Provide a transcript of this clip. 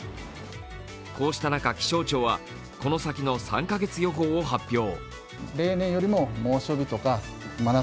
こうした中、気象庁はこの先の３カ月予報を発表。